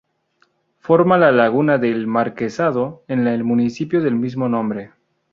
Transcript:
Forma la Laguna del Marquesado en el municipio del mismo nombre.